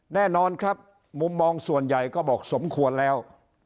แน่นอนครับมุมมองส่วนใหญ่ก็บอกสมควรแล้ว